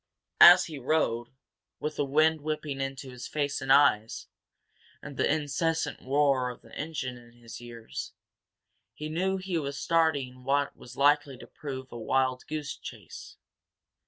As he rode, with the wind whipping into his face and eyes, and the incessant roar of the engine in his ears, he knew he was starting what was likely to prove a wild goose chase.